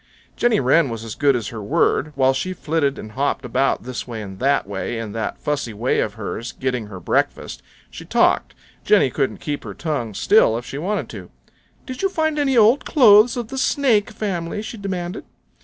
Jenny Wren was as good as her word. While she flitted and hopped about this way and that way in that fussy way of hers, getting her breakfast, she talked. Jenny couldn't keep her tongue still if she wanted to. "Did you find any old clothes of the Snake family?" she demanded.